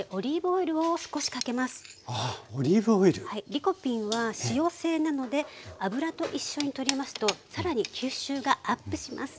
リコピンは脂溶性なので油と一緒にとりますと更に吸収がアップします。